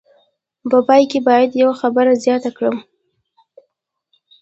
په پای کې باید یوه خبره زیاته کړم.